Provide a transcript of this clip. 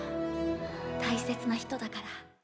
「大切な人だから」